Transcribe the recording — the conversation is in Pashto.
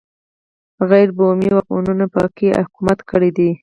غیر بومي واکمنانو په کې حکومت کړی دی.